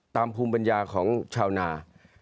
ภูมิปัญญาของชาวนา